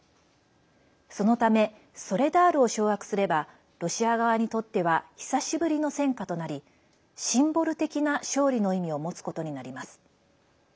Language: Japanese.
そのためソレダールを掌握すればロシア側にとっては久しぶりの戦果となりシンボル的な勝利の意味を持つことになります。